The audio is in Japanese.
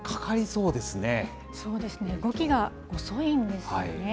そうですね、動きが遅いんですね。